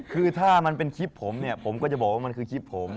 คือถ้ามันเป็นคลิปผมเนี่ยผมก็จะบอกว่ามันคือคลิปผม